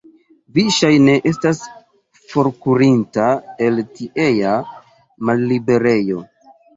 Vi, ŝajne, estas forkurinta el tiea malliberejo?